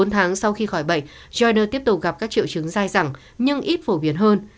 bốn tháng sau khi khỏi bệnh grander tiếp tục gặp các triệu chứng dài dẳng nhưng ít phổ biến hơn